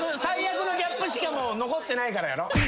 最悪なギャップしかもう残ってないからやろ。